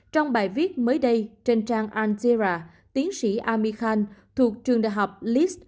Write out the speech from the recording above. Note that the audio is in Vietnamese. trong bài viết mới đây trên trang al zira tiến sĩ amir khan thuộc trường đại học leeds